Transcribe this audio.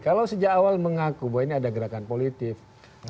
kalau sejak awal mengaku bahwa ini ada gerakan politik